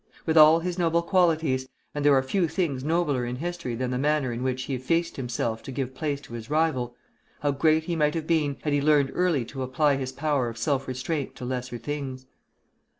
With all his noble qualities, and there are few things nobler in history than the manner in which he effaced himself to give place to his rival, how great he might have been, had he learned early to apply his power of self restraint to lesser things!